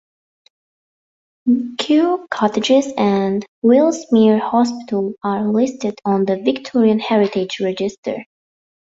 Kew Cottages and Willsmere Hospital are listed on the Victorian Heritage Register.